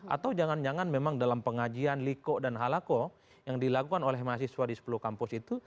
atau jangan jangan memang dalam pengajian liko dan halako yang dilakukan oleh mahasiswa di sepuluh kampus itu